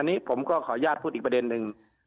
อันนี้ผมก็ขออนุญาตพูดอีกประเด็นนึง